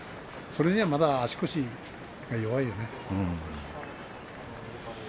それにはまだ足腰が弱いよね。